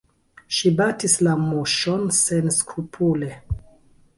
Ŝi batis la muŝon senskrupule!